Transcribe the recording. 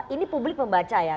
ini publik membaca ya